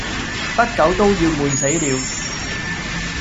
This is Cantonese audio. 不久都要悶死了，